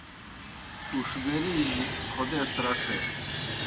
اُوݜگری جیُ خودیس رڇھے۔